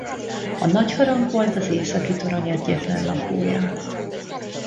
A nagyharang volt az északi torony egyetlen lakója.